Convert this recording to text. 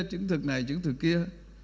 chứng thực này chứng thực kia